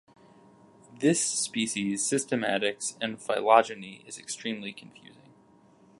This species' systematics and phylogeny is extremely confusing.